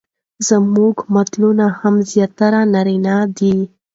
زموږ متلونه هم زياتره نارينه دي،